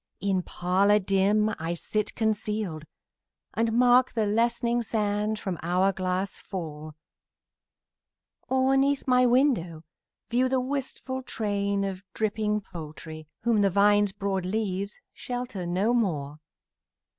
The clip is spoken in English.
In parlour dim I sit concealed, And mark the lessening sand from hour glass fall; Or 'neath my window view the wistful train Of dripping poultry, whom the vine's broad leaves Shelter no more.